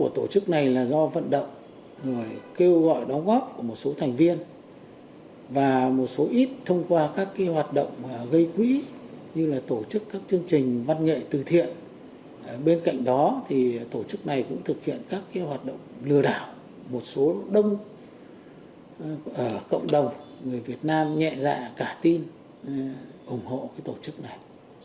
tổ chức này cũng thực hiện các hoạt động lừa đảo một số đông cộng đồng người việt nam nhẹ dạ cả tin ủng hộ tổ chức này